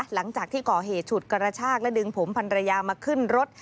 หลังจากที่ก่อเหตุฉุดกระชากและดึงผมพันรยามาขึ้นรถ